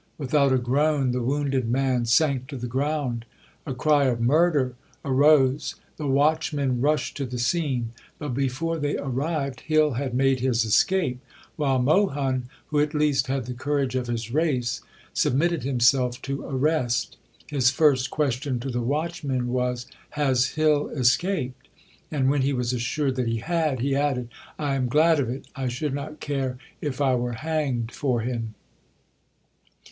Without a groan the wounded man sank to the ground. A cry of "Murder" arose; the watchmen rushed to the scene. But before they arrived Hill had made his escape; while Mohun, who at least had the courage of his race, submitted himself to arrest. His first question to the watchmen was, "Has Hill escaped?" And when he was assured that he had, he added: "I am glad of it! I should not care if I were hanged for him."